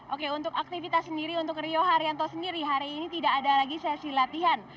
oke untuk aktivitas sendiri untuk rio haryanto sendiri hari ini tidak ada lagi sesi latihan